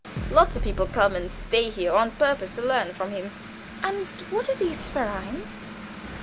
Lots of people come and stay here on purpose to learn from him." "And what are these vereins?"